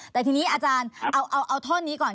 แต่ทีนี้อาจารย์เอาท่อนนี้ก่อน